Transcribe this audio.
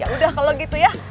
yaudah kalau gitu ya